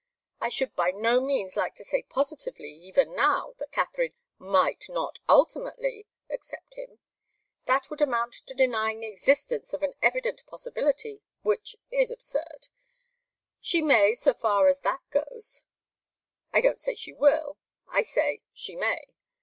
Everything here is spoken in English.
I should by no means like to say positively, even now, that Katharine 'might not ultimately' accept him. That would amount to denying the existence of an evident possibility, which is absurd. She may, so far as that goes. I don't say she will. I say, she may.